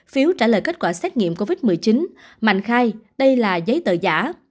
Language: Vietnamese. phiếu trả lời kết quả xét nghiệm covid một mươi chín mạnh khai đây là giấy tờ giả